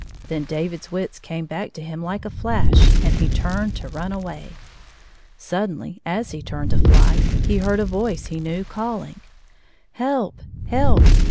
Then David's wits came hack to him like a flash, and he turned to run away. Suddenly, as he turned to fly, he heard a voice he knew, calling :" Help ! Help